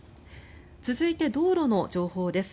続いて道路の情報です。